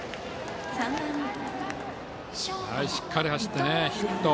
しっかり走ってヒット。